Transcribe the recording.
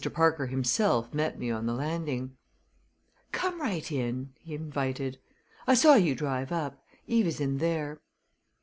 Parker himself met me on the landing. "Come right in!" he invited. "I saw you drive up. Eve is in there."